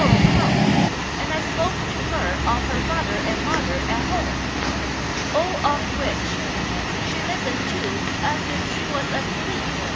L 2 148 STRANGE STORIES couch, and I spoke to her of her father and mother at home, all of which she listened to as if she was asleep.